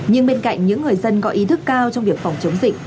nhưng bên cạnh những người dân có ý thức cao trong việc phòng chống dịch